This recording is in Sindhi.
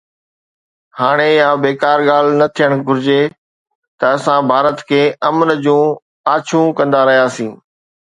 هاڻي اها بيڪار ڳالهه نه ٿيڻ گهرجي ته اسان ڀارت کي امن جون آڇون ڪندا رهياسين.